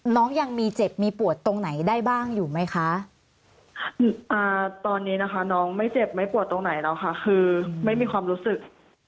ตอนนี้นะคะน้องไม่เจ็บไม่ปวดตรงไหนแล้วค่ะคือไม่มีความรู้สึก